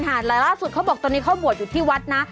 แต่ล่าสุดเขาบอกตอนนี้เขาบวชอยู่ที่วัดนะ